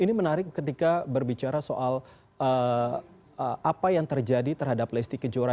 ini menarik ketika berbicara soal apa yang terjadi terhadap lesti kejora